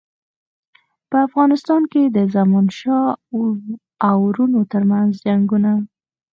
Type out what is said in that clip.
په افغانستان کې د زمانشاه او وروڼو ترمنځ جنګونه.